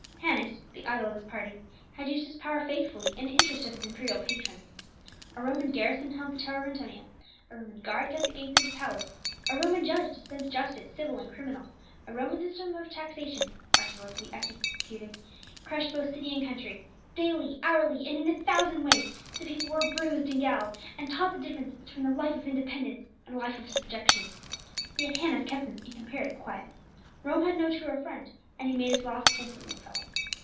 Hannas, the idol of his party, had used his power faithfully in the interest of his imperial patron. A Roman garrison held the Tower of Antonia; a Roman guard kept the gates of the palace; a Roman judge dispensed justice civil and criminal; a Roman system of taxation, mercilessly executed, crushed both city and country; daily, hourly, and in a thousand ways, the people were bruised and galled, and taught the difference between a life of independence and a life of subjection; yet Hannas kept them in comparative quiet. Rome had no truer friend; and he made his loss instantly felt.